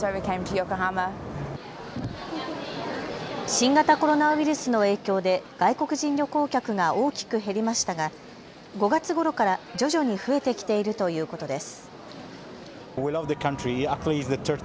新型コロナウイルスの影響で外国人旅行客が大きく減りましたが５月ごろから徐々に増えてきているということです。